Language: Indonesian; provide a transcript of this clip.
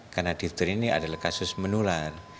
karena difteri ini adalah kasus menular